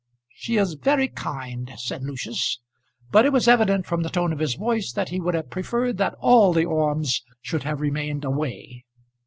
"She is very kind," said Lucius. But it was evident from the tone of his voice that he would have preferred that all the Ormes should have remained away.